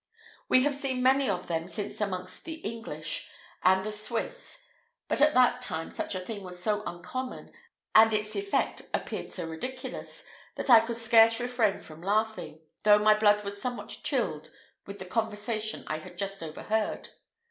We have seen many of them since amongst the English and the Swiss, but, at that time, such a thing was so uncommon, and its effect appeared so ridiculous, that I could scarce refrain from laughing, though my blood was somewhat chilled with the conversation I had just overheard.